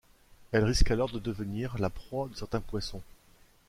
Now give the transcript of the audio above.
Elles risquent alors de devenir la proie de certains poissons.